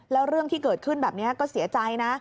แล้วเรื่องที่เกิดขึ้นแบบนี้ก็เสียใจนะ